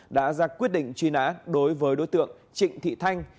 đã ra quyết định truy nã đối với đối tượng trịnh thị thanh